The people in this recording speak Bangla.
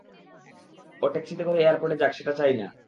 ও ট্যাক্সিতে করে এয়ারপোর্টে যাক সেটা চাই না!